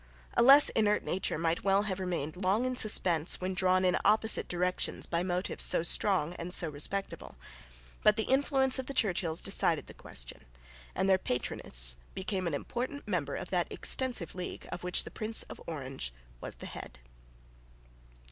A less inert nature might well have remained long in suspense when drawn in opposite directions by motives so strong and so respectable. But the influence of the Churchills decided the question; and their patroness became an important member of that extensive league of which the Prince of Orange was the head.